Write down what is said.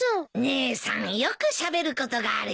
姉さんよくしゃべることがあるよね。